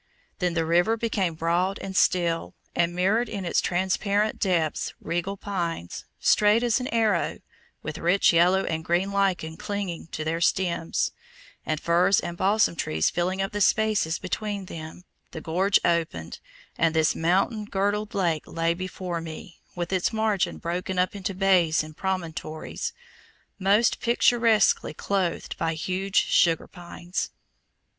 Then the river became broad and still, and mirrored in its transparent depths regal pines, straight as an arrow, with rich yellow and green lichen clinging to their stems, and firs and balsam pines filling up the spaces between them, the gorge opened, and this mountain girdled lake lay before me, with its margin broken up into bays and promontories, most picturesquely clothed by huge sugar pines.